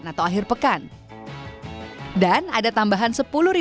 dan ada tambahan rp sepuluh untuk menikmati tempat yang lebih menarik